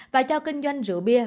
và cho kinh doanh rượu bia